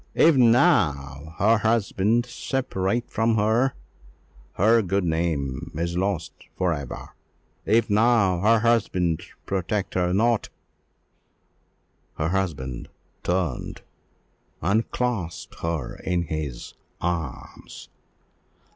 If now her husband separate from her, her good name is lost for ever! If now her husband protect her not " Her husband turned, and clasped her in his arms.